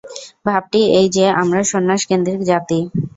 ভাবটি এই যে, আমরা সন্ন্যাস-কেন্দ্রিক জাতি।